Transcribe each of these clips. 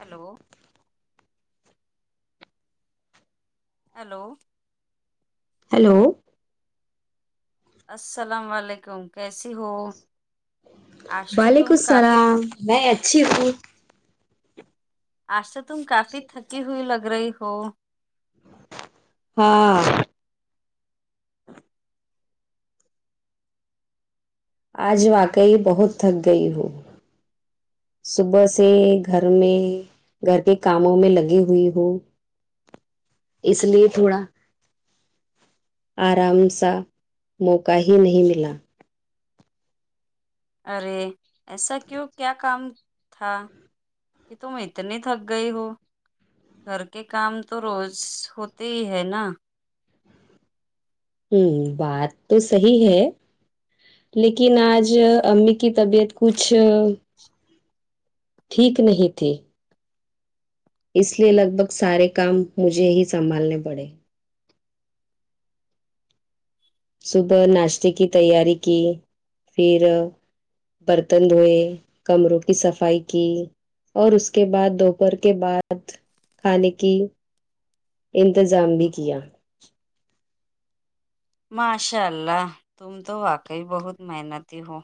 hello hello hello السلام و علیکم کیسی ہو آج تو وعلیکم تم کافی السلام میں اچھی ہوں آج تو تم کافی تھکی ہوئی لگ رہی ہو ہاں آج واقعی بہت تھک گئی ہوں صبح سے گھر میں گھر کے کاموں میں لگی ہوئی ہوں اس لیے تھوڑا آرام سا موقع ہی نہیں ملا ارے ایسا کیوں کیا کام م تھا کہ تم اتنی تھک گئی ہو گھر کے کام تو روز ہوتے ہی ہے نا ہوں بات تو صحیح ہے لیکن آج ج امی کی طبیعت کچھ ہ ٹھیک نہیں تھی اس لیے لگ بھگ سارے کام مجھے ہی سنبھالنے پڑے صبح ناشتے کی تیاری کی پھر برتن دھوئے کمروں کی صفائی کی اور اس کے بعد دوپہر کے بعد کھانے کی انتظام بھی کیا ماشاء اللہ تم تو واقعی بہت محنتی ہو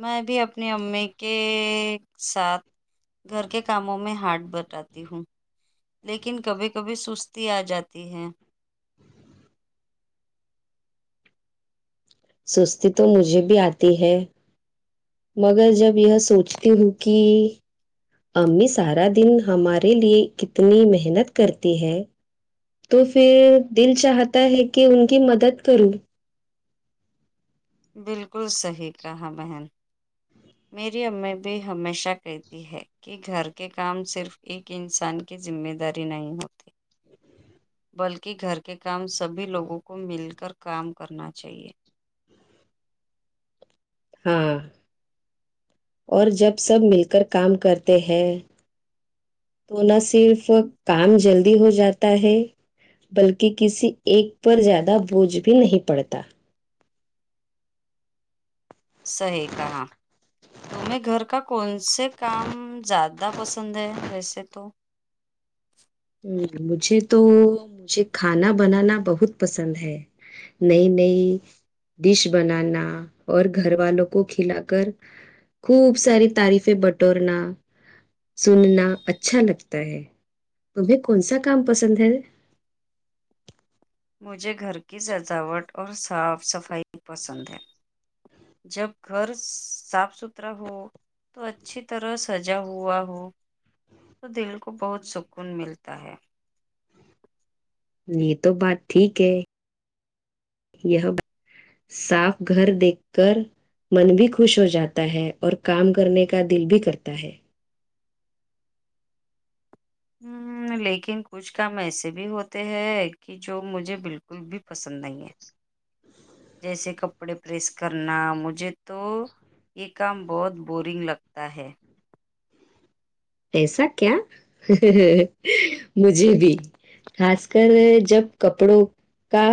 میں بھی اپنی امی کے ساتھ گھر کے کاموں میں ہاتھ بٹاتی ہوں لیکن کبھی کبھی سستی آ جاتی ہے سستی تو مجھے بھی آتی ہے مگر جب یہ سوچتی ہوں کی امی سارا دن ہمارے لیے کتنی محنت کرتی ہے تو پھر دل چاہتا ہے کہ ان کی مدد کروں بالکل صحیح کہا بہن میری امی بھی ہمیشہ کہتی ہے کہ گھر کے کام صرف ایک انسان کی ذمہ داری نہیں ہوتی بلکہ گھر کے کام سبھی لوگوں کو مل کر کام کرنا چاہیے ہاں ں اور جب سب مل کر کام کرتے ہیں تو نہ صرف کام جلدی ہو جاتا ہے بلکہ کسی ایک پر زیادہ بوجھ بھی نہیں پڑھتا صحیح کہا تمہیں گھر کا کون سے کام زیادہ پسند ہے ویسے تو مجھے تو مجھے کھانا بنانا بہت پسند ہے نہیں نہیں ڈش بنانا اور گھر والوں کو کھلا کر خوب ساری تعریفیں بٹورنا سننا اچھا لگتا ہے تمہیں کون سا کام پسند ہے مجھے گھر کی سجاوٹ اور صاف صفائی پسند ہے جب گھر صاف ستھرا ہو تو اچھی طرح سجا ہوا ہو تو دل کو بہت سکون ملتا ہے یہ تو بات ٹھیک ہے یہ صاف گھر دیکھ کر من بھی خوش ہو جاتا ہے اور کام کرنے کا دل بھی کرتا ہے ہمم لیکن کچھ کام ایسے بھی ہوتے ہیں کہ جو مجھے بالکل بھی پسند نہیں ہے جیسے کپڑے پریس کرنا مجھے تو یہ کام بہت بورنگ لگتا ہے ایسا کیا مجھے بھی خاص کر جب کپڑوں کا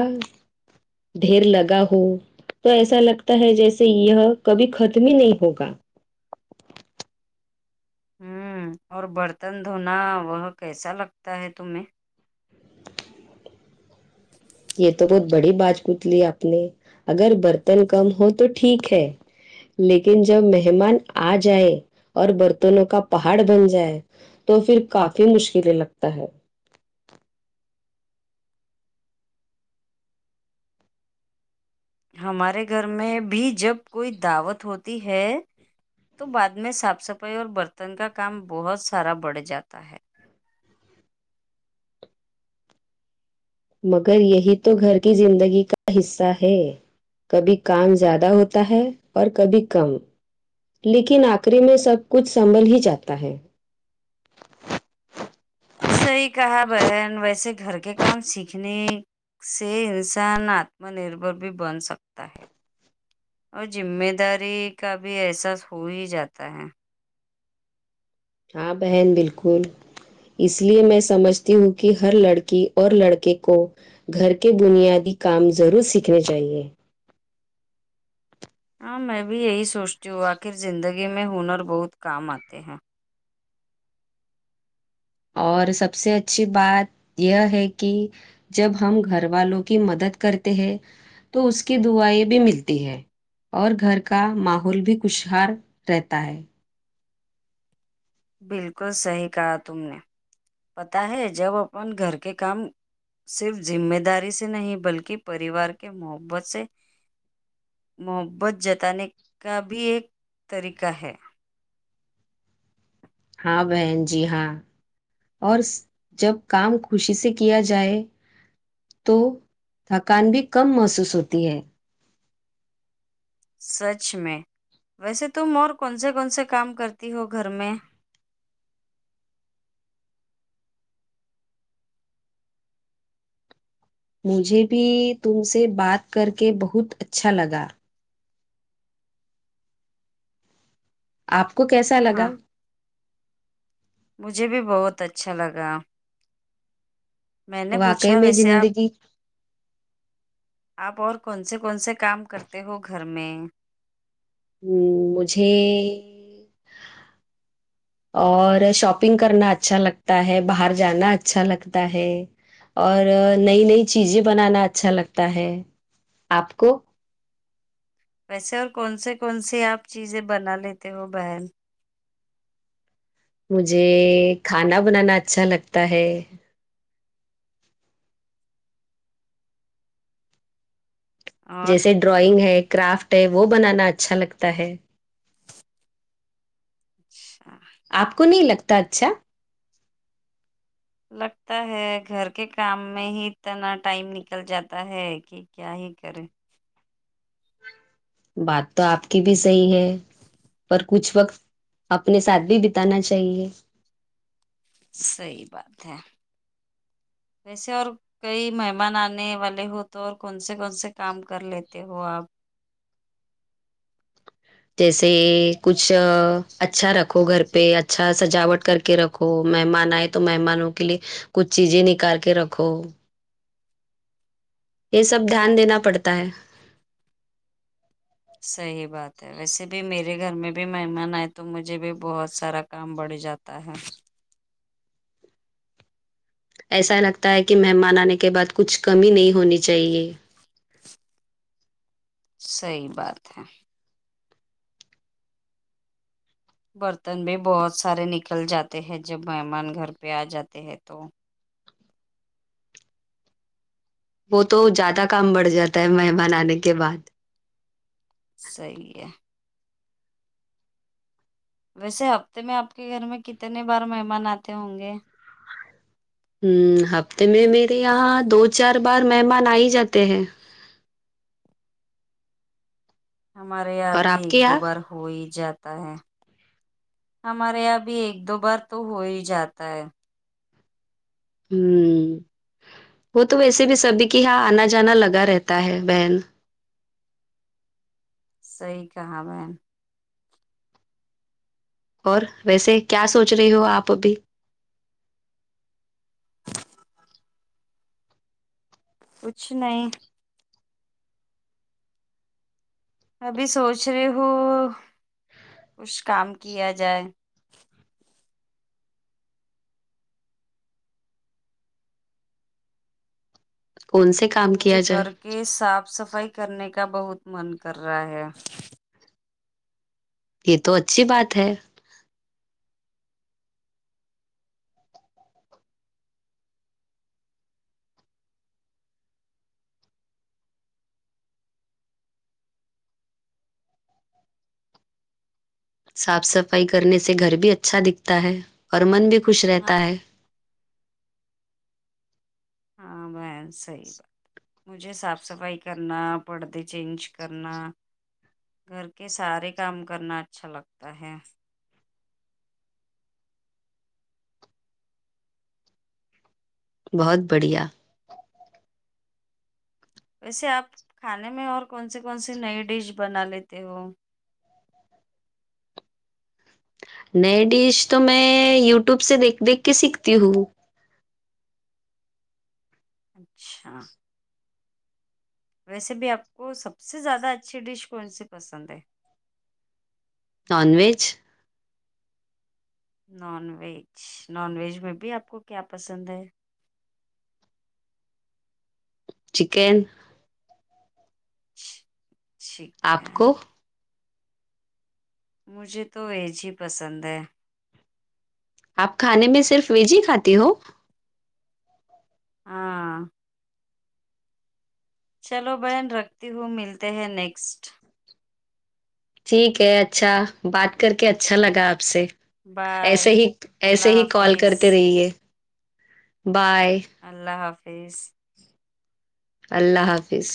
ڈھیر لگا ہو تو ایسا لگتا ہے جیسے یہ کبھی ختم ہی نہیں ہوگا ہم اور برتن دھونا وہ کیسا لگتا ہے تمہیں یہ تو بہت بڑی بات پوچھلی آپ نے اگر برتن کم ہو تو ٹھیک ہے لیکن جب مہمان آ جائے اور برتنوں کا پہاڑ بن جائے تو پھر کافی مشکلیں لگتا ہے ہمارے گھر میں بھی جب کوئی دعوت ہوتی ہے تو بعد میں صاف صفائی اور برتن کا کام بہت سارا بڑھ جاتا ہے مگر یہی تو گھر کی زندگی کا حصہ ہے کبھی کام زیادہ ہوتا ہے اور کبھی کم لیکن آخری میں سب کچھ سنبھل ہی جاتا ہے صحیح کہا بہن ویسے گھر کے کام سیکھنے سے انسان آتم نربھر بھی بن سکتا ہے اور ذمہ داری کا بھی احساس ہو ہی جاتا ہے ہاں بہن بالکل اس لیے میں سمجھتی ہوں کہ ہر لڑکی اور لڑکے کو گھر کے بنیادی کام ضرور سیکھنے چاہیے ہاں میں بھی یہی سوچتی ہوں آخر زندگی میں ہنر بہت کام آتے ہیں اور سب سے اچھی بات یہ ہے کہ جب ہم گھر والوں کی مدد کرتے ہیں تو اس کی دعائیں بھی ملتی ہے اور گھر کا ماحول بھی خوشحال رہتا ہے بالکل صحیح کہا تم نے پتا ہے جب اپن گھر کے کام صرف ذمہ داری سے نہیں بلکہ پریوار کے محبت سے محبت جتانے کا بھی ایک طریقہ ہے ہاں بہن جی ہاں اور جب کام خوشی سے کیا جائے تو تھکان بھی کم محسوس ہوتی ہے سچ میں ویسے تم اور کون سے کون سے کام کرتی ہو گھر میں مجھے بھی تم سے بات کر کے بہت اچھا لگا آپ کو کیسا لگا ہاں مجھے بھی بہت اچھا لگا میں نے پوچھا واقعی میں ویسے آپ زندگی آپ اور کون سے کون سے کام کرتے ہو گھر میں ہمم مجھے اور شاپنگ کرنا اچھا لگتا ہے باہر جانا اچھا لگتا ہے اور نئی نئی چیزیں بنانا اچھا لگتا ہے آپ کو ویسے اور کون سے کون سے آپ چیزیں بنا لیتے ہو بہن مجھے کھانا بنانا اچھا لگتا ہے اور جیسے ڈرائنگ ہے کرافٹ ہے وہ بنانا اچھا لگتا ہے اچھا آپ کو نہیں لگتا اچھا لگتا ہے گھر کے کام میں ہی اتنا ٹائم نکل جاتا ہے کہ کیا ہی کرے بات تو آپ کی بھی صحیح ہے پر کچھ وقت اپنے ساتھ بھی بتانا چاہیے صحیح بات ہے ویسے اور کئی مہمان آنے والے ہو تو اور کون سے کون سے کام کر لیتے ہو آپ جیسے کچھ اچھا رکھو گھر پہ اچھا سجاوٹ کر کے رک کہو مہمان آئے تو مہمانوں کے لیے کچھ چیزیں نکال کے رکھو یہ سب دھیان دینا پڑتا ہے صحیح بات ہے ویسے بھی میرے گھر میں بھی مہمان آئے تو مجھے بھی بہت سارا کام بڑھ جا تا ہے ایسا لگتا ہے کہ مہمان آنے کے بعد کچھ کمی نہیں ہونی چاہیے صحیح بات ہے برتن بھی بہت سارے نکل جاتے ہیں جب مہمان گھر پہ آ جاتے ہیں تو وہ تو زیادہ کام بڑھ جاتا ہے مہمان آنے کے بعد صحیح ہے ویسے ہفتے میں آپ کے گھر میں کتنے بار مہمان آتے ہوں گے ہمم ہفتے میں میرے یہاں دو چار بار مہمان آ ہی جاتے ہیں ہمارے یہاں اور بھی آپ ایک کے دو یہاں بار ہو ہی جاتا ہے ہمارے یہاں بھی ایک دو بار تو ہو ہی جاتا ہے ہوں وہ تو ویسے بھی سبھی کی یہاں آنا جانا لگا رہتا ہے بہن صحیح کہا بہن اور ویسے کیا سوچ رہی ہو آپ ابھی کچھ نہیں ابھی سوچ رہی ہوں کچھ کام کیا جائے کون سے ک مجھے گھر کے صاف صفائی کرنے کا بہت من کر رہا ہے یہ تو اچھی بات ہے صاف صفائی کرنے سے گھر بھی اچھا دکھتا ہے اور من بھی خوش ہاں رہتا ہے ہاں بہن صحیح بات مجھے صاف صفائی کرنا پردے چینج کرنا گھر کے سارے کام کرنا اچھا لگتا ہے بہت بڑھیا ویسے آپ کھانے میں اور کون سے کون سے نئی ڈش بنا لیتے ہو نئے ڈش تو میں یوٹیوب سے دیکھ دیکھ کے سیکھتی ہوں اچھا ویسے بھی آپ کو سب سے زیادہ اچھی ڈش کون سی پسند ہے non veg non veg non veg میں بھی آپ کو کیا پسند ہے چکن آپ کو چکن مجھے تو ویج ہی پسند ہے آپ کھانے میں صرف ویج ہی کھاتی ہو ہاں چلو بہن رکھتی ہوں ملتے ہیں نیکسٹ ٹھیک ہے اچھا بات کر کے اچھا لگا آپ سے ایسے بائے ہی ایسے اللہ ہی کال حافظ کرتے رہئے بائے اللہ حافظ اللہ حافظ